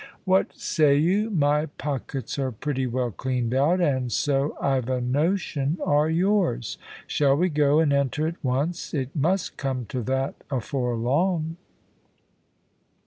What say you? my pockets are pretty well cleaned out, and so, I've a notion, are yours. Shall we go and enter at once? It must come to that afore long."